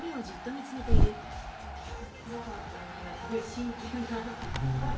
黒川さんの目がすごい真剣な。